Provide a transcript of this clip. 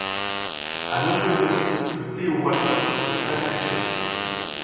À noter aussi que Theo Walcott n'est pas sélectionné.